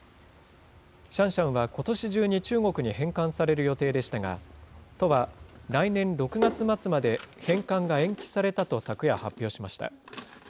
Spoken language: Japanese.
シャンシャンはことし中に中国に返還される予定でしたが、都は来年６月末まで返還が延期されたと昨夜発表しました。